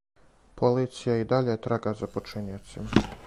Полиција и даље трага за починиоцима.